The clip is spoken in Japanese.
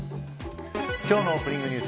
今日のオープニングニュース